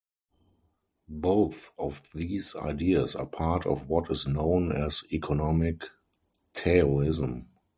Both of these ideas are part of what is known as 'economic Taoism.